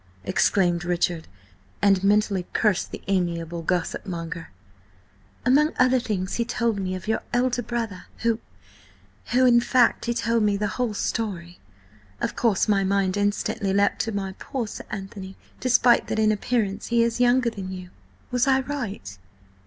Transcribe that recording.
exclaimed Richard, and mentally cursed the amiable gossip monger. "Among other things he told me of your elder brother–who–who–in fact, he told me the whole story. Of course, my mind instantly leapt to my poor Sir Anthony, despite that in appearance he is younger than you. Was I right?"